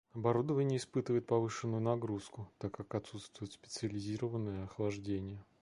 Оборудование испытывает повышенную нагрузку, так как отсутствует специализированное охлаждение